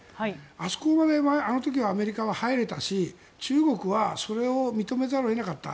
あそこまであの時はアメリカは入れたし中国はそれを認めざるを得なかった。